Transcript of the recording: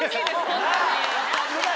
ホントに。